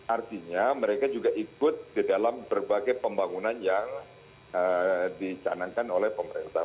artinya mereka juga ikut di dalam berbagai pembangunan yang dicanangkan oleh pemerintah